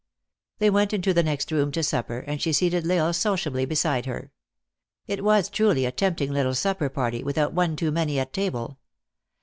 They went into the next room to supper, and she seated L Isle sociably beside her. It was truly a tempting little supper party, without one too many at table.